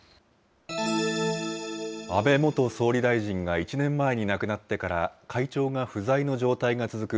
安倍元総理大臣が１年前に亡くなってから、会長が不在の状態が続く